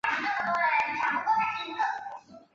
透射系数是透射值与入射值的比率。